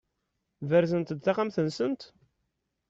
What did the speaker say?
Berzent-d taxxamt-nsent?